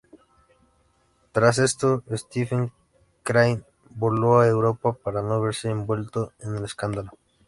Tras esto, Stephen Crane voló a Europa para no verse envuelto en el escándalo.